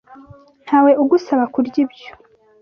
Ntawe ugusaba kurya ibyo.